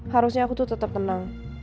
harusnya aku tuh tetap tenang